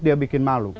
dia bikin malu